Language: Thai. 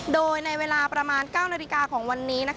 โดยในเวลาประมาณ๙นาฬิกาของวันนี้